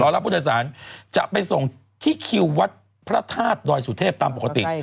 รับผู้โดยสารจะไปส่งที่คิววัดพระธาตุดอยสุเทพตามปกติ